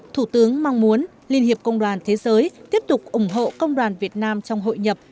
thủ tướng mong muốn liên hiệp công đoàn thế giới tiếp tục ủng hộ công đoàn việt nam trong hội nhập